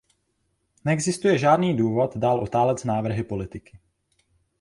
Neexistuje žádný důvod dál otálet s návrhy politiky.